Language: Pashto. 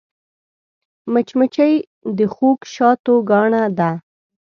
مچمچۍ د خوږ شاتو ګاڼه ده